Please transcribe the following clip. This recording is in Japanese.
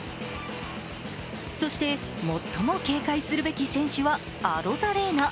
そして、最も警戒するべき選手はアロザレーナ。